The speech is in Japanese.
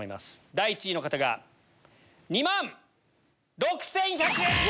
第１位の方が２万６１００円！